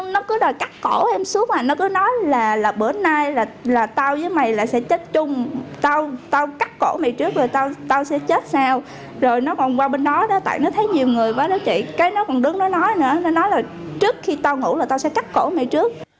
nó cứ đòi cắt cổ em xuống nó cứ nói là bữa nay là tao với mày là sẽ chết chung tao cắt cổ mày trước rồi tao sẽ chết sao rồi nó còn qua bên đó tại nó thấy nhiều người và nó chỉ cái nó còn đứng nó nói nữa nó nói là trước khi tao ngủ là tao sẽ cắt cổ mày trước